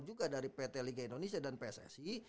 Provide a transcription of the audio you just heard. juga dari pt liga indonesia dan pssi